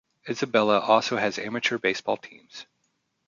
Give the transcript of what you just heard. Isabela also has amateur baseball teams.